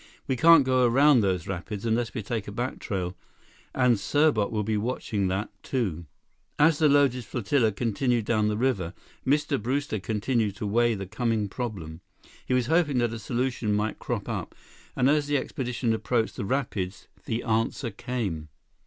"We can't go around those rapids unless we take a back trail, and Serbot will be watching that, too." As the loaded flotilla continued down the river, Mr. Brewster continued to weigh the coming problem. He was hoping that a solution might crop up, and as the expedition approached the rapids, the answer came.